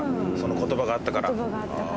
言葉があったから。